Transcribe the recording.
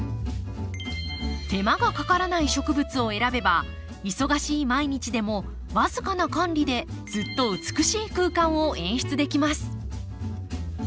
手間がかからない植物を選べば忙しい毎日でも僅かな管理でずっと美しい空間を演出できます。